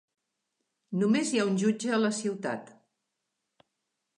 Només hi ha un jutge a la ciutat.